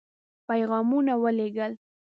پيغامونه ولېږل.